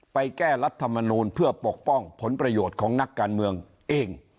แก้รัฐมนูลเพื่อปกป้องผลประโยชน์ของนักการเมืองเอง